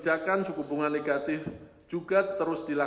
pemulihan ekonomi global diperkirakan lebih rendah dari proyeksi semula